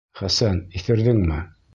Хәсән, иҫерҙеңме?